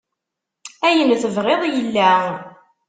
Ayen tebɣiḍ yella.